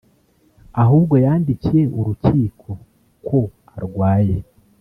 ahubwo yandikiye urukiko ko arwaye